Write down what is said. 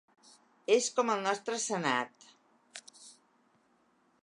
És com el nostre senat.